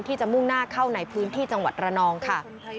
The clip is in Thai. ที่จะมุ่งหน้าเข้าในพื้นที่จังหวัดระนองค่ะ